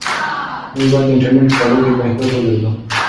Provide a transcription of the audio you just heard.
موږ باید د انټرنيټ په فضا کې په احتیاط وګرځو.